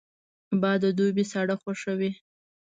باد د دوبي ساړه خوښوي